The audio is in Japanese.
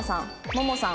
ももさん。